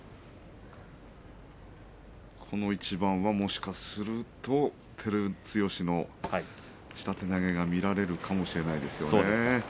この一番はもしかすると照強の下手投げが見られるかもしれないですね。